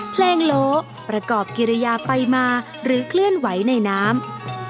โลประกอบกิริยาไปมาหรือเคลื่อนไหวในน้ำ